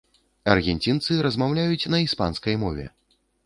Аргенцінцы размаўляюць на іспанскай мове.